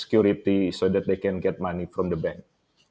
agar mereka dapat mendapatkan uang dari bank